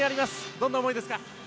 どんな思いですか？